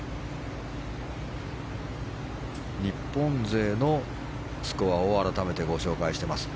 日本勢のスコアを改めてご紹介しています。